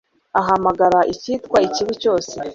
ahamagana icyitwa ikibi cyose